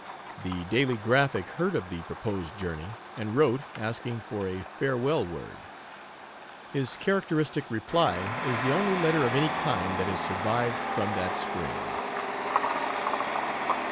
The Daily Graphic heard of the proposed journey, and wrote, asking for a farewell word. His characteristic reply is the only letter of any kind that has survived from that spring.